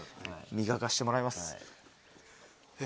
磨かしてもらいます。